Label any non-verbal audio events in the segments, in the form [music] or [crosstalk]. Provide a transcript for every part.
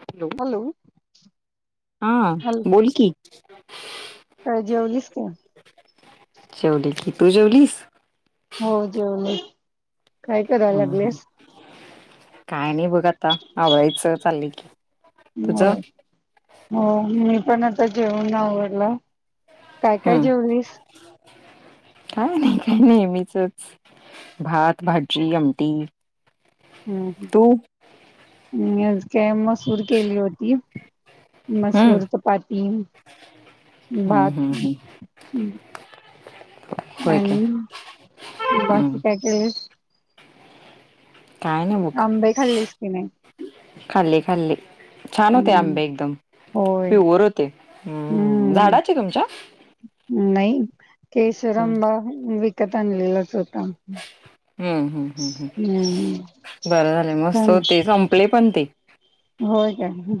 Hello हा hello बोल की काय जेवलीस का जेवली की तू जेवलीस हो जेवले काय करायला हम् ह लागलेस काय नाही बघ आता आवळीचं चालल की हो तुझं हो मी पण आता जेऊनवडला काय काय हम्म जेवणीस काय नाही काय नेहमीचच भात भाजी आमटी हम्म तू हज काय मसूर केली होती हम्म मसूर चपाती हम्म भात हम्म हम्म होय ह काय बस हम्म काय काय अंबे खालीस किने खाल्ली खाल्ली छान होते आंबे एकदम होय प्युअर होते हम्म झाडाची तुमच्या नाही हम्म केशरंबा विकत आणलेलाच होता हम्म हम्म हम् हम् हम्म बरं झालं मस्त होते संपले पण ते हो का ह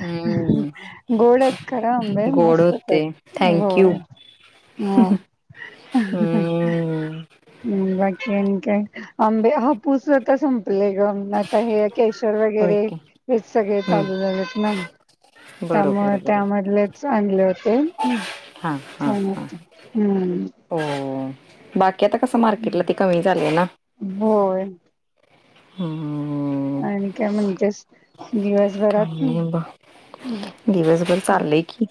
हम्म गोडेत खरा अंब गोड मस्त होते आहेत हो थँक यू हम हम् हम्म बाकीन काय आंबे हापूस आता संपले आता हे केशवर होय वगैरे की हे सगळे हं चालू झालेात ना बरोबर त्या बरोबर त्यामधलेच आणले होते हा हा छान हा हम्म बाकी आता कसं मार्केटला ती कमी झालीय ना होय हम्म आणि काय म्हणतेस दिवसभरात काही ना नाही ब दिवसभर चाललंय की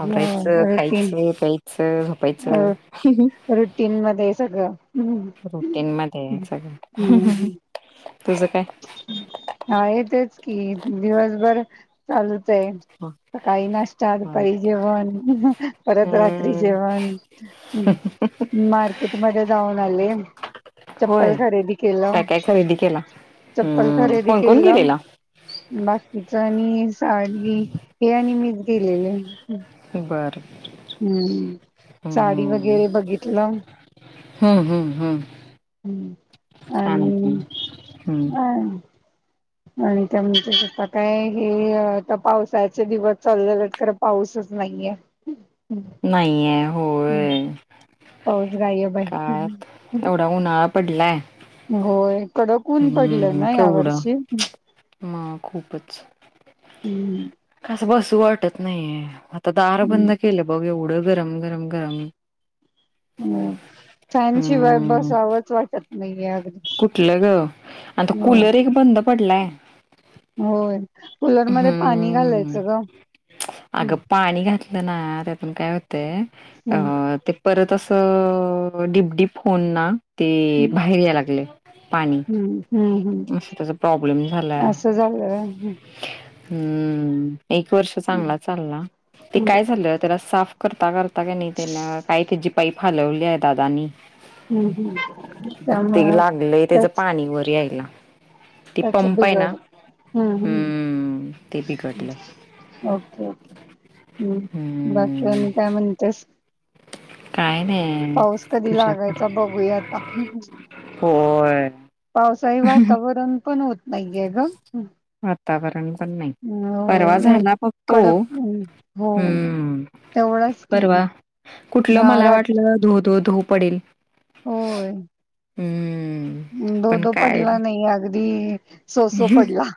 आवरायचं खायचं प्यायचं झोपायचं. रुटीन मध्ये सगळं हम्म रुटीन मध्ये सगळं. तुझं काय हा आहे तेच कि दिवसभर चालूच आहे. हं, सकाळी नाश्ता हं. दुपारी जेवण परत रात्री हम्म जेवण ह मार्केटमध्येध जाऊन आले. चप्पल होय खरेदी केलं. काय काय खरेदी केला चप्पल हम्म खरेदी कोण कोण केलं गेलेला बाकीच आणि साडी हे आणि मीच गेलेले. बर हम्म साडी हम्म वगैरे बघितलं. हम्म हम्म हम्म हम्म छान आहे की आणि ह हम्म आणि त्या म्ह आता काय हे आता पावसाचे दिवस चालू झालेत खरं पाऊसच नाही. घ्या ह. नाही आहे. हम पाऊस गायब काय हाय. एवढा उन्हाळा पडलाय होय, कडक ऊन पडलं हम्म ना या केवढं वर्षी. मग खूपच हम. बसू वाटत नाहीेये, आता दार बंद केलंयं. ग गरम गरम गरम ये. हो फॅन शिवाय हम्म बसावचं वाटत नाही. कुठलं गं आणि त कूलर एक बंद पडलाय. होय, कूलरमध्ये पाणी हम्म घालायचं गं. अगं पाणी घातलं ना त्यातून काय होतयं हम्म अ ते परत तसं डीपडीप होऊन ना ते बाहेर याय लागलयं. पाणी हम्म हम्म मग त्याचा प्रॉब्लेम झालाय असं झालं व्हय हम्म हम्म एक वर्ष चांगला चालला ते हम्म काय झाले त्याला साफ करता करता आता का नाही त्याला काही त्याची पाई फालवली आहे दादाांनी हम्म हम् त्या मग त्याच पाणी व यायला ते अच्छा पंप आहे ना बिघडलं हम्म ते हम्म बिघडलं. ओके हम्म हम्म, बाकी काय म्हणतेस काय नाही पाऊस कधी तुझ्याकडे लागायचा बघूयाता होय. पाऊस वातावरण पण होत नाहीे ग वातावरण परवा होय झालातो कडक हो हम्म तेवढाच की परवा कुठलं हा मला रात्री वाटलं धू धू धू पडेल होय हम्म दो पण दो काय पडला नाही अगदी सोसो पडला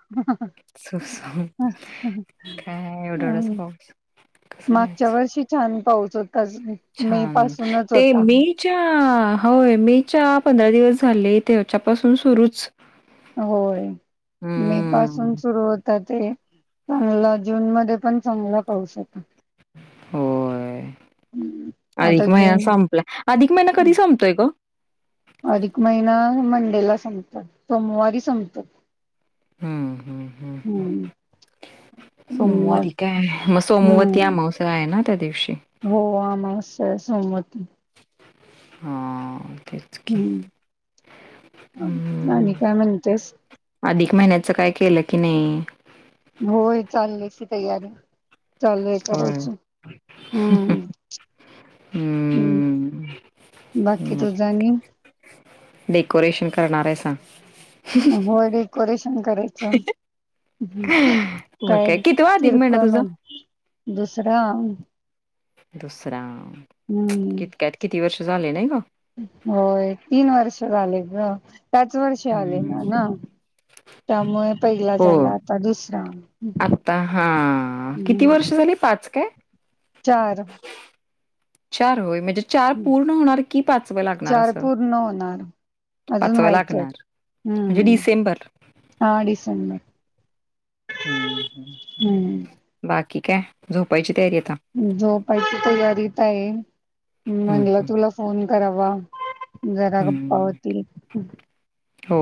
सोसो हम्म काय एवढावढाच पाऊस कसं मागच्या व्हायचं? वर्षी झालं छान ते होता मेच्या होय मेच्या पंधरा दिवस झाले त्याच्यापासून सुरूच होय मे पासून हम्म. सुरू होत ते चांगलं जून मध्ये पण चांगलं करू शकत होय आता अधिक महिना जून संपला अधिक महिना कधी संपतोय ग अधिक महिना मंडेला संपतात सोमवारी संपत हां हां मग सोमवारी काय आहे मग सोमवती हम्म अमावस्या आहे ना त्या दिवशी? हो अमावस्या आहे सोमवारी हा हम्म आणि हं. काय म्हणतेस अधिक महिन्याच काय केलं की नाही होय चालण्याची तयारी चालू आहे होय. करायच हम्म हम् हं. बाकी मग तू आणि डेकोरेशन करणार आहे सांग हो डेकोरेशन करायचं मग काय? काही कितवा अधिक महिना किरको तुझा? म दुसरा दुसरा कित काय किती वर्ष झाले नाही गं? हम्म होय तीन वर्ष आले ग त्याच वर्षी आले हम्म, ना ना त्यामुळे पहिला झाला हो. आता दुसरा आत्ता हा किती हम्म वर्ष झाली पाच काय चार चार होय म्हणजे चार पूर्ण होणार की पाच व लागणार चार असं पूर्ण होणार अजून व्हायचे आहेत लागणार. म्हणजे हम्म डिसेंबर. हा डिसेंबर ह् हम्म. बाकी काय झोपायची तयारी आता. झोपायची तयारीत आहे हं, म्हणलं तुला फोन करावा जरा गप्पा होती हो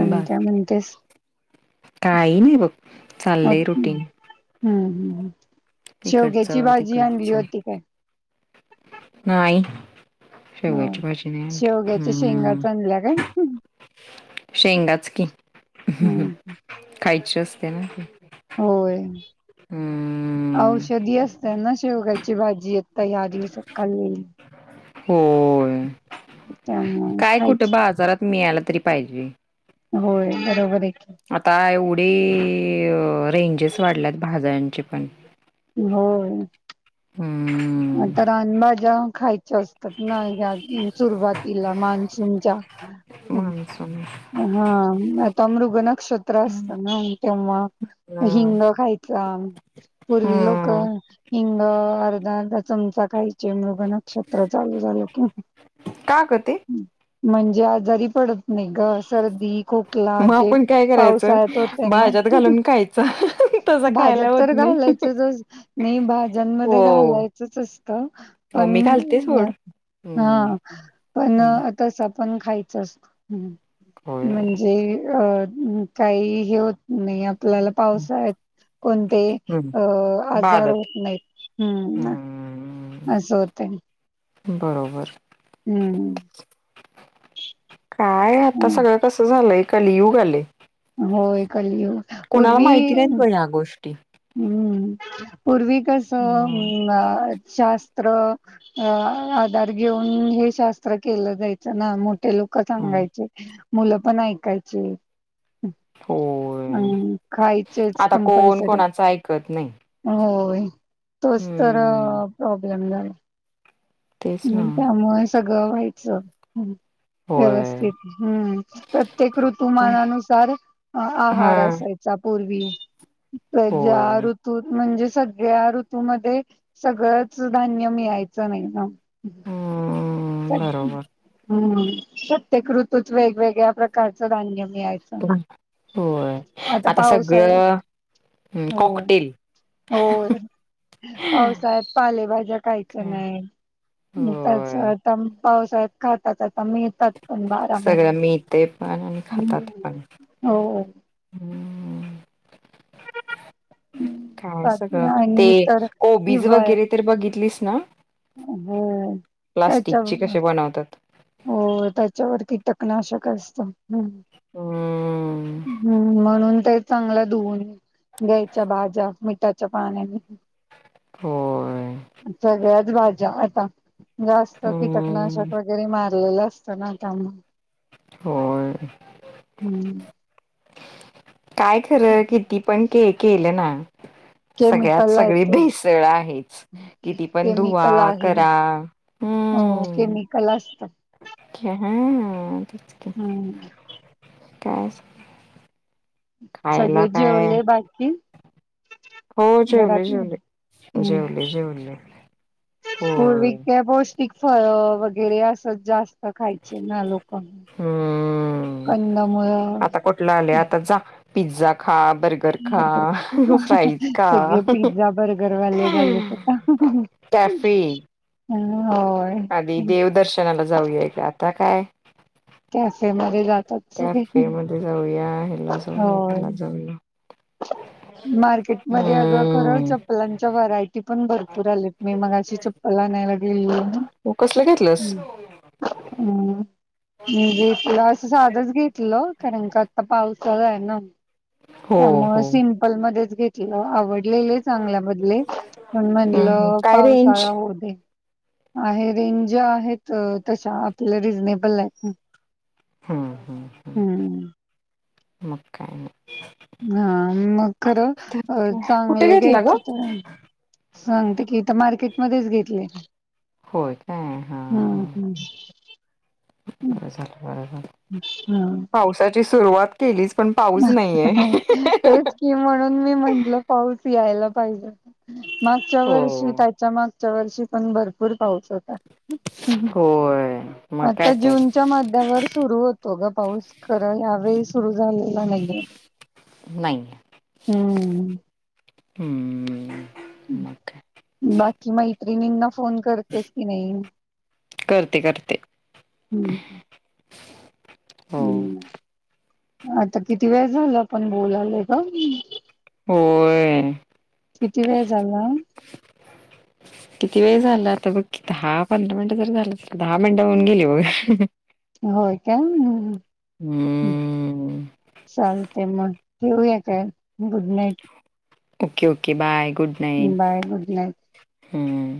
आणि त्या म्हणतेस काही नाही बघ अ चाललंय हम्म रुटीन. हम्म शेवग्याची इकडचं, भाजी आणली तिकडचं. होती काय. नाही हो शव्याची भाजने आण शेवग्याच्या हम् शेंगाच आणल्या काय शेंगाच की हम्म खायची असते ना. होय हं, औषधी असत ना शेवगयची भाजी येत त या दिवसतकाल येई होय त्यामुळे काय कुठ खायची बाजारात मिळाला तरी पाहिजे होय बरोबर आहे थ रेंजेस वाढल्यात भाज्यांचे पण हो हम्म आता अनबाज्या खायच्या असत. ना सुरुवातीला मान्सूनच्या मान्सून हा आता मृग नक्षत्र हम्म असतं ना तेव्हा हिंग खायच पूर्वी लोक. हम्म हिंग अर्धा अर्धा चमचा काही मृग नक्षत्र चालू झालं कि का ग ते? म्हणजे आजारी पडत नाही ग सर सर्दी खोकला मग जे आपण काय करायचं पावसाळ्यात होत ना भाज्यात घालून खायचं तसं भाज्यात खायला तर होत नाही. घालायचं नाही हो भाज्यांमध्ये घालायचं असत हो पण मी घालते सोड. हम्म हा पण हम्म आता पण खायच होय म्हणजे अ हम् काही हे होत नाही आपल्याला पावसात कोणते हम्म अ आजार बादत होत नाही हम्म हम्म असं होत बरोबर हम्म काय आता हम्म. सगळं कसं झालंय कालियुगआले. होय कलियुग पूर्वी माहिती नाहीत हम्म ब ह्या गोष्टी. पूर्वी म कसं शास्त्र आधार घेऊन हे शास्त्र केलं जायचं नाठ ते लोक हम्म सांगायचे मुलं पण ऐकायचे होय. हम् खायचेच आता कोण कमपल्सरी कोणाचं ऐकत नाही. होय तोच तर हम्म प्रॉब्लेम झा तेच ना हम् त्यामुळे सगळं व्हायचं होय. व्यवस्थित हम्म प्रत्येक ऋतुमानानुसार हा आहार असे राहायचा पूर्वी सगळ्या होय ऋतूमध्ये सगळंच धान्य मिळायचं नाही ना. हम्म बरोबर हम्म सत्यकृतूच वेगवेगळ्या प्रकारचं धान्य. मिळायचं. होय आता सगळं हो कॉकटेल हो पावसा्यात पालेभाज्या कायच काय नाही. त्याच होय. आता पावसात खातात आता म येतात. पण बारा सगळं मिळते पण आणि महिने खातात पण हो हम्म काय सगळं ते आणि तर कोबीज हिवाळ्यात वगैरे तर बघितलीस ना हो प्लास्टिकची त्याच्यावर कसे बनवतात. हो त्याच्यावर कि कीटकनाशक असतं हम्म हम्म म्हणून ते चांगलं धुवून घ्यायच्या भाज्या मिठाच्या पाण्याने होय. सगळ्याच भाज्या आता जास्त हम्म कीटकनाशक वगैरे मार लेलं असत ना त्यामुळे. होय. हम्म काय खरं किती, पण के केलं ना? [inaudible] सगळ्यात केमिकला सगळी येतयं भेसळ आहेच. किती पण धुवा केमिकल आहे. करा. हो केमिकल असतात. क्या ह ह. हम्म तिकज सगळे जेवले बाकी हो जेवले घरातले जेवले जेवले जेवले पूर्व होय का पौष्टिक फळ वगैरे अस जास्त खायचे ना लोक हम्म कंदमुळं आता कुठला आले आता जा पिझ्झा खा बर्गर खा बरोबर फ्राईज खा सगळे पिझ्झा बर्गरवाले झालेत आता. तफी होय. आधी देवदर्शनाला जाऊया का आता काय कसे मरे जात. त्याॅफे मध्ये जाऊया ह्याला जाऊया होय. त्याला जाऊया [unintelligible] मार्केटमध्ये अगं खरं हम्म चप्लांच्या व्हरायटी पण भरपूर आलेत मी मग अशी चप्पल आणयलाग ह हो कसलं हम् घेतलंस हम्म म्हणजे तुला असं साधच घेतलं कारण क आता पाऊस हो त्यामुळे हो सिंपल मच घेतलं आवड लेले चांगल्या बदले पण हम्म हम्म म्हणलं काय रेंज पावसाळा हो दे आहे रेंज आहेत तश आपल्याला रिझनेबल आहे हम् हम्मम म का आहे ना हा मग खरं नाही. कुठे चांगलं घेतला घ्यायच ग? तर सांगते कीथ मार्केट मध्येच घेतले होय काय हा हम. बर झालं बर झालं, हां. पावसाची सुरुवात केलीच. पण पाऊस नाहीये. तेच कि म. म्हणून मी म्हटलं पाऊस यायला पाहिजे, मागच्या हो वर्षी त्याच्या मागच्या पुढच्या वर्षी पण भरपूर पाऊस होता. होय. मग आता काय तर जूनच्या मध्यावर सुरू होतो, गं पाऊस खरं यावेळी सुरू झाल [unintelligible] नाही हम. हम्म. मग काय बाकी मैत्रिणींना फोन करतेस कि नाही? करते करते. हम्म. हो हम्म आता किती वेळ झालं, आपण बोलालोय गं? होय. किती वेळ झाला? किती वेळ झाला, आता बघ दहा पंधरा मिनिटं तर झाली दहा मिनिटं होऊन गेली बघं. होय, काय हम्म चालतयं म. ठेवूया, काय good night! Okay okay bye! Good night bye good night. हम्म